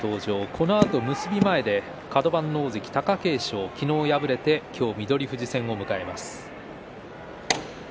このあと結び前でカド番の大関貴景勝昨日敗れて今日、翠富士戦を迎えます。